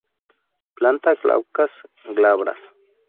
Planta glaucas, glabras.